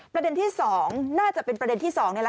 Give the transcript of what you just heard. ประเด็นที่๒น่าจะเป็นประเด็นที่๒